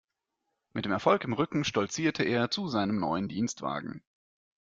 Mit dem Erfolg im Rücken stolzierte er zu seinem neuen Dienstwagen.